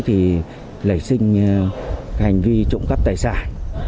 hành vi trộm cắp tài sản